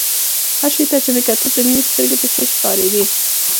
هر شي ته چې مې کتل د مينې سترګې پکښې ښکارېدې.